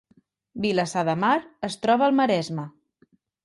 Vilassar de Mar es troba al Maresme